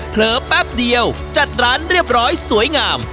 แป๊บเดียวจัดร้านเรียบร้อยสวยงาม